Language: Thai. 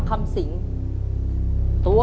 ขอบคุณครับ